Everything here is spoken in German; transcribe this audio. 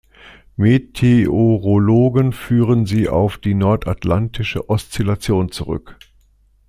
Meteorologen führen sie auf die Nordatlantische Oszillation zurück.